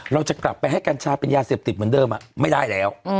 เราจะกลับไปให้กัญชาเป็นยาเสพติดเหมือนเดิมไม่ได้แล้ว